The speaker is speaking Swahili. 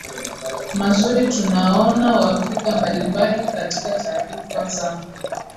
mazuri tunaona Waafrika mbalimbali katika taarifa za